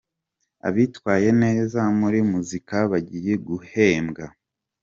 Abitwaye neza muri muzika bagiye guhembwa